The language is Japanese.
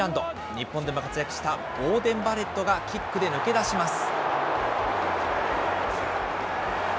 日本でも活躍したボーデン・バレットがキックで抜け出します。